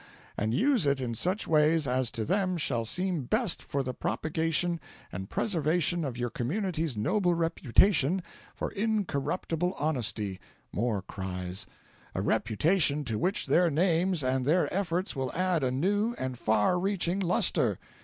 and use it in such ways as to them shall seem best for the propagation and preservation of your community's noble reputation for incorruptible honesty (more cries) a reputation to which their names and their efforts will add a new and far reaching lustre."